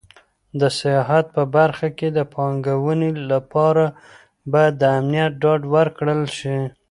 د سیاحت په برخه کې د پانګونې لپاره باید د امنیت ډاډ ورکړل شي.